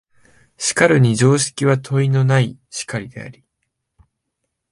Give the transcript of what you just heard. しかるに常識は問いのない然りであり、